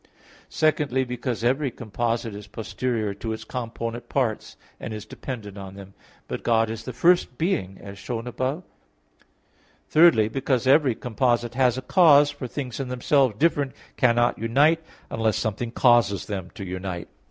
Secondly, because every composite is posterior to its component parts, and is dependent on them; but God is the first being, as shown above (Q. 2, A. 3). Thirdly, because every composite has a cause, for things in themselves different cannot unite unless something causes them to unite.